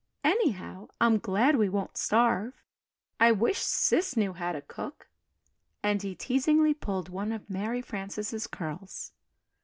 Anyhow, I'm glad we won't starve. I wish Sis knew how to cook!" and he teasingly pulled one of Mary Frances' curls.